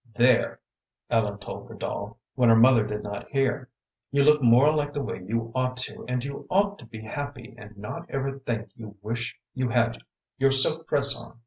"There," Ellen told the doll, when her mother did not hear "you look more like the way you ought to, and you ought to be happy, and not ever think you wish you had your silk dress on.